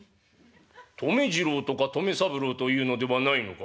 留次郎とか留三郎というのではないのか」。